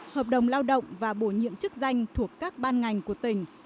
hợp đồng lao động và bổ nhiệm chức danh thuộc các ban ngành của tỉnh